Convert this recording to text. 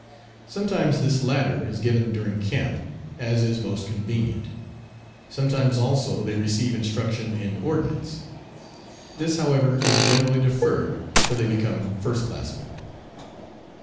Sometimes this latter is given during camp, as is most convenient. Sometimes, also, they receive instruction in ordnance. This, however, is generally deferred till they become first classmen.